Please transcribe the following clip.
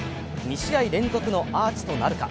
２試合連続のアーチとなるか。